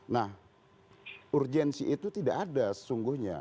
nah urgensi itu tidak ada sesungguhnya